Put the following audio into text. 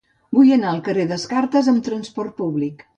Vull anar al carrer de Descartes amb trasport públic.